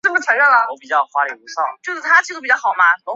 可以贴在手机壳后面